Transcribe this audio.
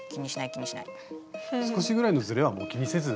少しぐらいのずれはもう気にせず。